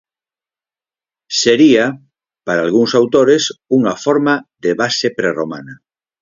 Sería, para algúns autores, unha forma de base prerromana.